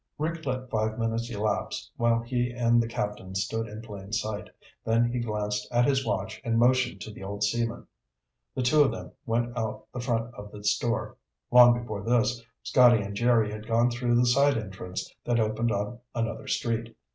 Rick let five minutes elapse while he and the Captain stood in plain sight, then he glanced at his watch and motioned to the old seaman. The two of them went out the front of the store. Long before this, Scotty and Jerry had gone through the side entrance that opened on another street.